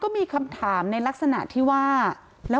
มีคำถามที่ว่า